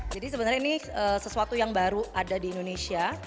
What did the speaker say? jadi sebenarnya ini sesuatu yang baru ada di indonesia